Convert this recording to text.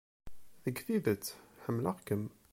Deg tidet, ḥemmleɣ-kem.